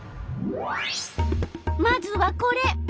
まずはこれ！